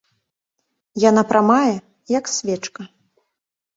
Яна прамая, як свечка.